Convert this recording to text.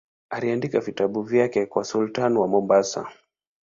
Aliandika vitabu vyake kwa sultani wa Mombasa.